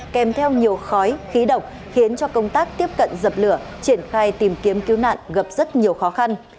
kèm theo nhiều khói khí độc khiến cho công tác tiếp cận dập lửa triển khai tìm kiếm cứu nạn gặp rất nhiều khó khăn